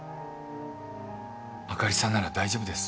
朱莉さんなら大丈夫です。